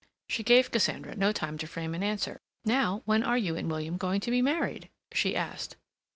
She gave Cassandra no time to frame an answer. "Now, when are you and William going to be married?" she asked.